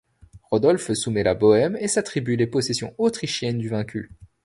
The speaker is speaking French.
Rodolphe soumet la Bohême et s’attribue les possessions autrichiennes du vaincu.